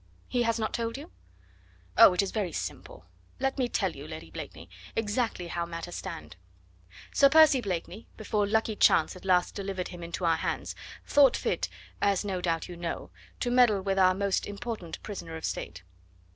"He has not told you?" "Oh! it is very simple. Let me tell you, Lady Blakeney, exactly how matters stand. Sir Percy Blakeney before lucky chance at last delivered him into our hands thought fit, as no doubt you know, to meddle with our most important prisoner of State."